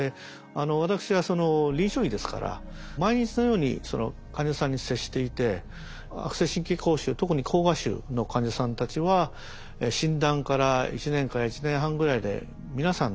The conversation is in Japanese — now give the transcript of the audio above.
私は臨床医ですから毎日のように患者さんに接していて悪性神経膠腫特に膠芽腫の患者さんたちは診断から１年から１年半ぐらいで皆さん亡くなってしまう。